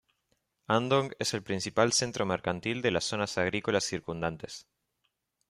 Andong es el principal centro mercantil de las zonas agrícolas circundantes.